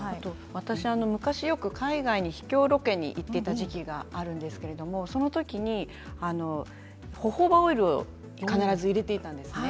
私、海外に秘境ロケに行っていた時期があったんですけれどもそのときにホホバオイルを必ず入れていたんですね。